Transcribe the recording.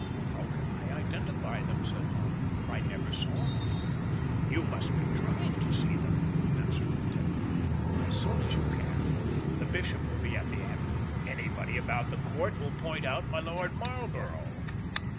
"How can I identify them?" said Holland, "I never saw them." "You must contrive to see them," answered the tempter, "as soon as you can. The Bishop will be at the Abbey. Anybody about the Court will point out my Lord Marlborough."